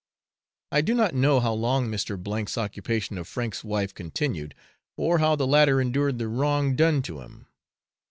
I do not know how long Mr. K 's occupation of Frank's wife continued, or how the latter endured the wrong done to him.